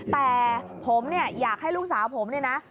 แต่ผมเนี่ยอยากให้ลูกสาวผมเนี่ยนะ